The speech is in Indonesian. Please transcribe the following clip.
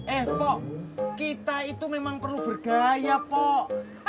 eh pak kita itu memang perlu bergaya pak